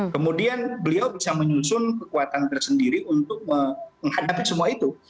kemudian beliau bisa menyusun kekuatan tersendiri untuk menghadapi semua itu